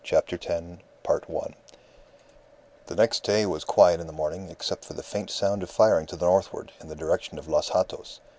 CHAPTER TEN The next day was quiet in the morning, except for the faint sound of firing to the northward, in the direction of Los Hatos.